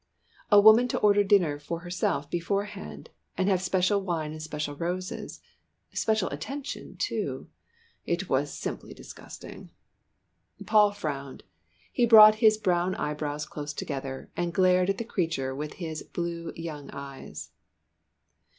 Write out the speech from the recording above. A woman to order dinner for herself beforehand, and have special wine and special roses special attention, too! It was simply disgusting! Paul frowned. He brought his brown eyebrows close together, and glared at the creature with his blue young eyes.